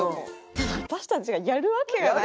ただ私たちがやるわけがない。